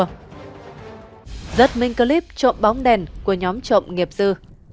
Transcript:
rất minh clip trộm bóng đèn của nhóm trộm nghiệp dư